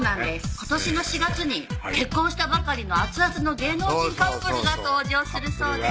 今年の４月に結婚したばかりの熱々の芸能人カップルが登場するそうです